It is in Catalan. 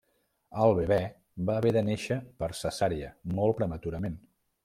El bebè va haver de néixer per cesària molt prematurament.